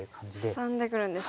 ハサんでくるんですね。